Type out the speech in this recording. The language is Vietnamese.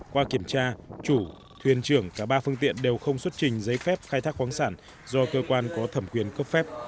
qua kiểm tra chủ thuyền trưởng cả ba phương tiện đều không xuất trình giấy phép khai thác khoáng sản do cơ quan có thẩm quyền cấp phép